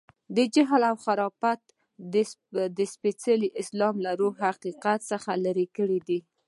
دا جهل و خرافات د سپېڅلي اسلام له روح و حقیقت څخه لرې دي.